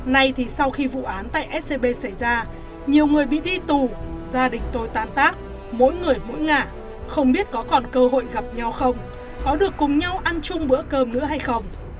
nay thì sau khi vụ án tại scb xảy ra nhiều người bị đi tù gia đình tôi tán tác mỗi người mỗi ngạ không biết có còn cơ hội gặp nhau không có được cùng nhau ăn chung bữa cơm nữa hay không